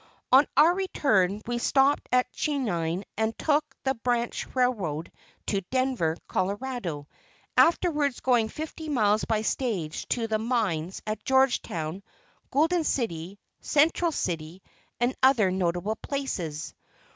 On our return home we stopped at Cheyenne and took the Branch Railroad to Denver, Colorado, afterwards going fifty miles by stage to the mines at Georgetown, Golden City, Central City, and other notable places.